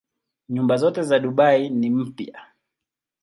Nyumba zote za Dubai ni mpya.